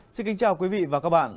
xin kính chào quý vị và các bạn